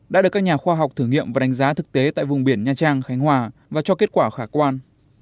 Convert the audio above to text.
đã được các nhà khoa học thử nghiệm và đánh giá thực tế tại vùng biển nha trang khánh hòa và cho kết quả khả quan